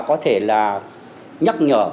có thể là nhắc nhở